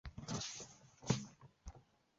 疏羽碎米蕨为中国蕨科碎米蕨属下的一个种。